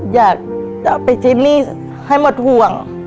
อยากจะไปชีวิตนี้ให้หมดห่วง